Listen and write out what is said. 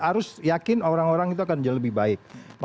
jadi harus yakin orang orang di belakang saya itu pasti akan lebih baik gitu